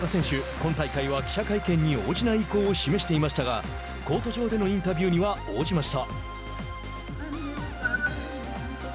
今大会は記者会見に応じない意向を示していましたがコート上でのインタビューには応じました。